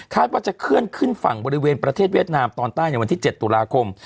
ว่าจะเคลื่อนขึ้นฝั่งบริเวณประเทศเวียดนามตอนใต้ในวันที่๗ตุลาคม